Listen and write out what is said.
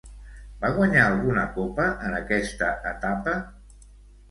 Va guanyar alguna copa en aquesta etapa?